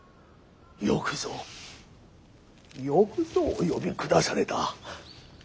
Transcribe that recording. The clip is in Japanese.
よくぞよくぞお呼びくだされた。